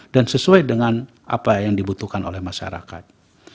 dan sesuai dengan apa yang dibutuhkan oleh masyarakat